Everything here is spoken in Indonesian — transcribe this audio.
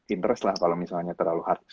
interest lah kalau misalnya terlalu hard